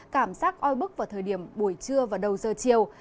cảm giác oi bức vào thời điểm buổi trưa và đầu giờ chiều